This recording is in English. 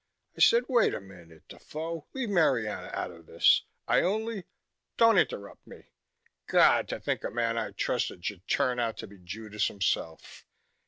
I said, "Wait a minute, Defoe! Leave Marianna out of this. I only " "Don't interrupt me! God, to think a man I trusted should turn out to be Judas himself!